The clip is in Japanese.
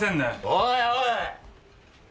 おいおい！